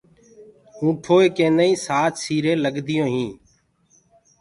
اونٺوئي ڪيندآئين سآت سيرين لگديون هين